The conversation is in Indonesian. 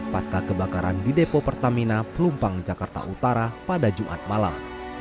pasca kebakaran di depo pertamina pelumpang jakarta utara pada jumat malam